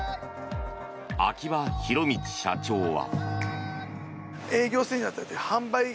秋葉弘道社長は。